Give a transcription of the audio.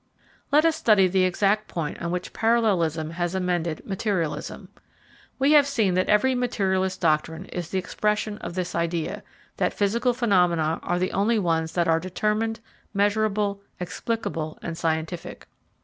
Let us study the exact point on which parallelism has amended materialism. We have seen that every materialist doctrine is the expression of this idea, that physical phenomena are the only ones that are determined, measurable, explicable, and scientific.